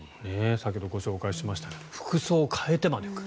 先ほどご紹介しましたが服装を変えてまで来る。